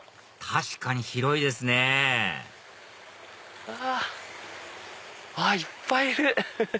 確かに広いですねあっいっぱいいる。